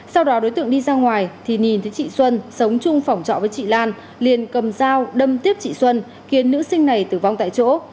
sau đó đối tượng đi ra ngoài thì nhìn thấy chị xuân sống chung phòng trọ với chị lan liền cầm dao đâm tiếp chị xuân khiến nữ sinh này tử vong tại chỗ